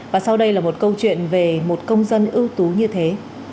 và sau đây là một câu chuyện về một công dân ưu tú như thế